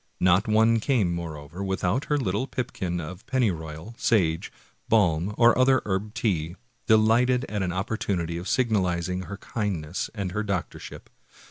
Not one came, moreover, without her little pipkin of pennyroyal, sage, balm, or other herb tea, delighted at an opportunity of sig nalizing her kindness and her doctorship.